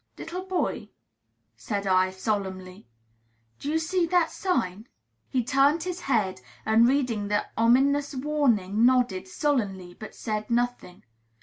"Little boy," said I, solemnly, "do you see that sign?" He turned his head, and, reading the ominous warning, nodded sullenly, but said nothing.